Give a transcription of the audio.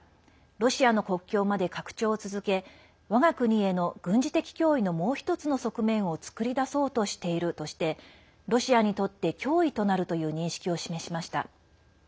ロシアの国境まで拡張を続けわが国への軍事的脅威のもう１つの側面を作り出そうとしているとしてロシアにとって脅威となるという認識を示しました。